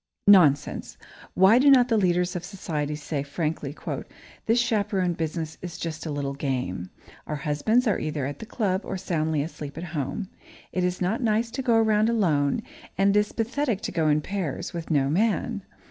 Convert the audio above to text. Nonsense! Why do not the leaders of society say, frankly: "This chaperone business is just a little game. Our husbands are either at the club or soundly asleep at home. It is not nice to go around alone, and it is pathetic to go in pairs, with no man.